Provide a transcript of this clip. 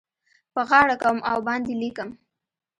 په غاړه کوم او باندې لیکم